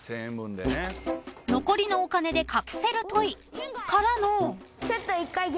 ［残りのお金でカプセルトイからの］